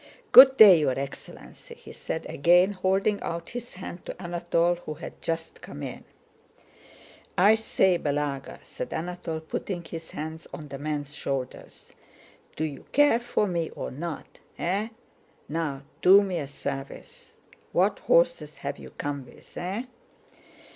"Good day, your excellency!" he said, again holding out his hand to Anatole who had just come in. "I say, Balagá," said Anatole, putting his hands on the man's shoulders, "do you care for me or not? Eh? Now, do me a service.... What horses have you come with? Eh?"